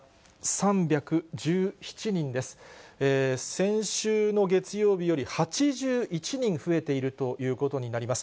先週の月曜日より８１人増えているということになります。